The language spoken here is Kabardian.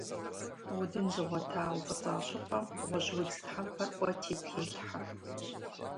Удын зыгъуэта, уфӀыцӀа щӀыпӀэм гъуэжьудз тхьэмпэр Ӏуэти телъхьэ.